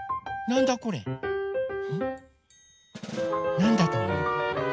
なんだとおもう？